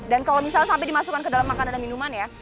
dan kalau misalnya sampai dimasukkan ke dalam makanan dan minuman ya